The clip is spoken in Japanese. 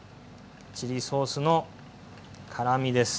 チリソースの辛みです。